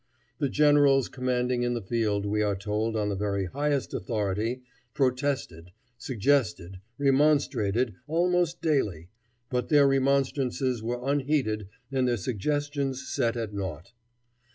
The generals commanding in the field, we are told on the very highest authority, protested, suggested, remonstrated almost daily, but their remonstrances were unheeded and their suggestions set at naught.